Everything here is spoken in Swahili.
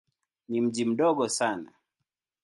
Ni mji mdogo sana.